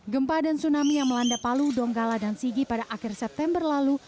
gempa dan tsunami yang melanda palu donggala dan sigi pada akhir september lalu